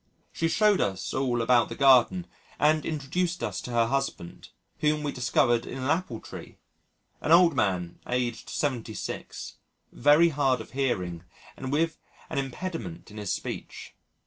She showed us all about the garden, and introduced us to her husband, whom we discovered in an apple tree an old man, aged 76, very hard of hearing, and with an impediment in his speech.